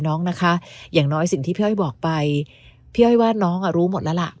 น้องนะคะอย่างน้อยสิ่งที่พี่บอกไปพี่ว่าน้องรู้หมดแล้ว